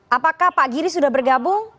apakah pak giri sudah bergabung